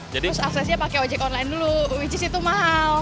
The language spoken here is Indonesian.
terus aksesnya pakai ojek online dulu which is itu mahal